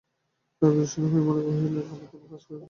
রাজা বিষণ্ন হইয়া মনে মনে কহিলেন, আমি কোনো কাজ করিতে পারি না।